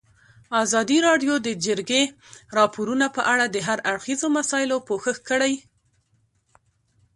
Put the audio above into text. ازادي راډیو د د جګړې راپورونه په اړه د هر اړخیزو مسایلو پوښښ کړی.